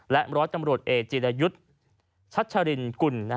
ร้อยตำรวจเอกจิรยุทธ์ชัชรินกุล